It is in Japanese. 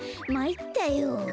まいったよ。